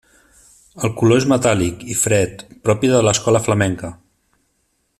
El color és metàl·lic i fred, propi de l'escola flamenca.